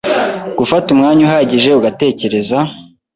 Gufata umwanya uhagije ugatekereza